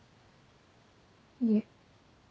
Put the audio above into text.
いえ。